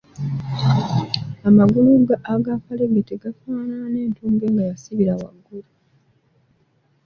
Amagulu agakalegete gafaanana n’entumbwe nga yasibira waggulu.